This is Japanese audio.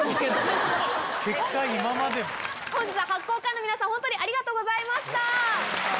本日は発酵オカンの皆さん本当にありがとうございました！